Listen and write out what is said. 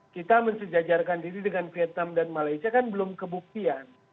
kita mensejajarkan diri dengan vietnam dan malaysia kan belum kebuktian